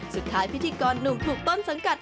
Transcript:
สุดท้ายพิธีกรหนุ่มถูกต้นสังกัด